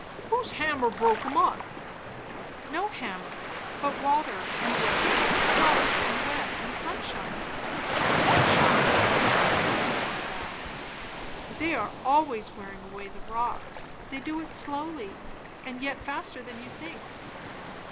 "Whose hammer broke 'em up?" "No hammer. But water, and weather; frost and wet and sunshine." "Sunshine!" cried Mr. Purcell. "They are always wearing away the rocks. They do it slowly, and yet faster than you think."